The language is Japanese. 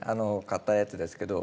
買ったやつですけど。